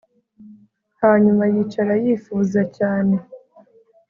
Hanyuma yicara yifuza cyane